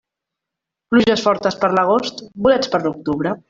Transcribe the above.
Pluges fortes per l'agost, bolets per l'octubre.